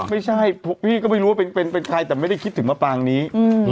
ไม่ใช่พี่ก็ไม่รู้ว่าเป็นใครแต่ไม่ได้คิดถึงมะปางนี้